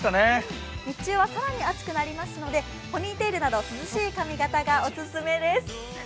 日中は更に暑くなりますので、ポニーテールなど涼しい髪形がオススメです。